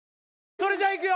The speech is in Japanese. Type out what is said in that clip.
それじゃいくよ